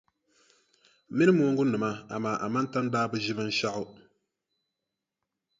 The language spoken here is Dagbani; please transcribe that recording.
Mini mooŋgunima amaa Amantani daa bi ʒi binshɛɣu.